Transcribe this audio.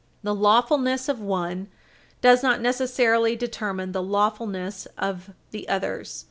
T he lawfulness of one does not necessarily determine the lawfulness of the others.